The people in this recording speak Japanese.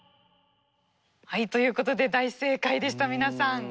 はいということで大正解でした皆さん。